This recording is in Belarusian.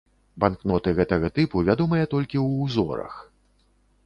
Банкноты гэтага тыпу вядомыя толькі ў узорах.